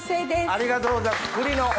ありがとうございます。